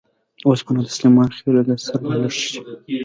اوس به نو د سلیمان خېلو د سر بالښت شي.